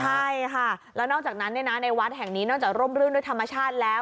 ใช่ค่ะแล้วนอกจากนั้นในวัดแห่งนี้นอกจากร่มรื่นด้วยธรรมชาติแล้ว